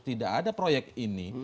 tidak ada proyek ini